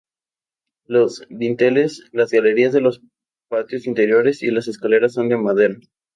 Los dinteles, las galerías de los patios interiores y las escaleras son de madera.